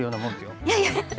いやいや。